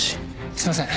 すいません。